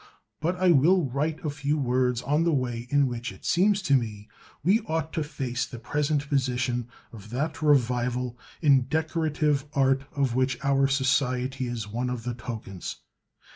But I will write a few words on the way in which it seems to me we ought to face the present position of that revival in decorative art of which our Society is one of the tokens.